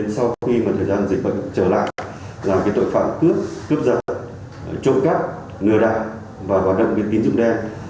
sau khi thời gian dịch vật trở lại tội phạm cướp cướp giật trộm cắp ngừa đạn và hoạt động tín dụng đen